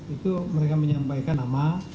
itu mereka menyampaikan nama